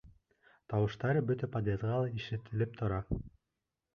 Тауыштары бөтә подъезға ишетелеп тора.